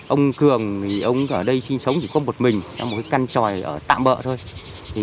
ông cường ở đây sinh sống chỉ có một mình một căn tròi tạm bỡ thôi